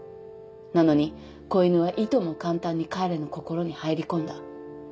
なのに子犬はいとも簡単に彼の心に入り込んだ。